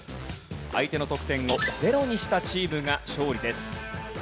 相手の得点をゼロにしたチームが勝利です。